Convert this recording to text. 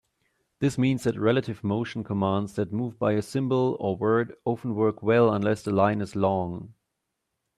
This means that relative motion commands that move by a symbol or word often work well unless the line is long.